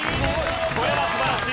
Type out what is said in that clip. これは素晴らしい！